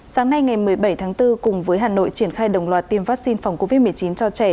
sáng nay ngày một mươi bảy tháng bốn cùng với hà nội triển khai đồng loạt tiêm vaccine phòng covid một mươi chín cho trẻ